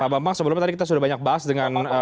pak bambang sebelumnya tadi kita sudah banyak bahas dengan